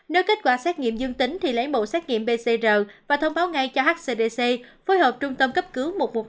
nếu kết quả xét nghiệm dương tính thì lấy mẫu xét nghiệm pcr và thông báo ngay cho hcdc phối hợp trung tâm cấp cứu một trăm một mươi hai